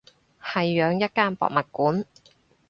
係養一間博物館